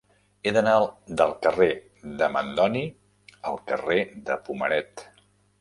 He d'anar del carrer de Mandoni al carrer de Pomaret.